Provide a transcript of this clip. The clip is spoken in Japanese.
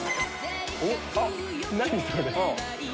何それ！